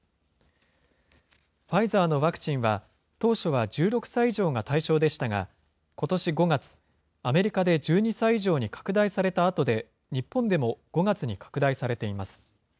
ファイザーのワクチンは、当初は１６歳以上が対象でしたが、ことし５月、アメリカで１２歳以上に拡大されたあとで、日本でも５月に拡大されています。